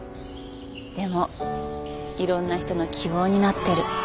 でもいろんな人の希望になってる。